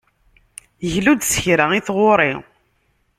Glu-d s kra i tɣuri.